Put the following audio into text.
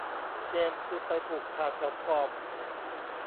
เกมคือไปผูกขาดแพลตฟอร์ม